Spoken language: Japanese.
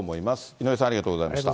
井上さん、ありがとうございました。